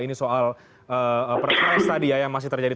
ini soal perpres tadi ya yang masih terjadi